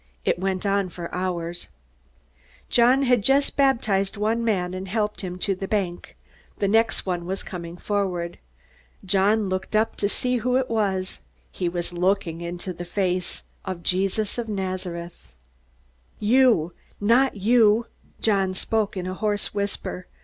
It went on for hours. John had just baptized one man and helped him to the bank. The next one was coming forward. John looked up to see who it was. He was looking into the face of Jesus of Nazareth. "You! Not you!" John spoke in a hoarse whisper.